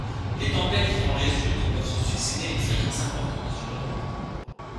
Les tempêtes qui en résultent peuvent se succéder à une fréquence importante sur l’Europe.